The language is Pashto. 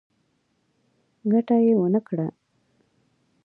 ګټه يې ونکړه.